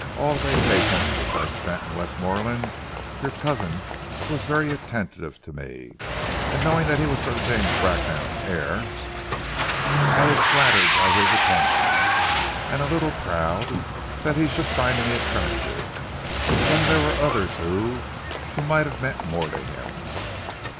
All the vacation, which I spent in Westmorland, your cousin was very attentive to me, and knowing that he was Sir James Bracknell's heir, I was flattered by his attentions, and a little proud that he should find me attractive, when there were others who who might have meant more to him."